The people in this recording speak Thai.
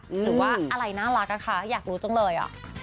หรือว่าอะไรน่ารักอะคะอยากรู้จังเลย